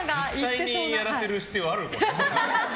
実際にやらせる必要はあるの？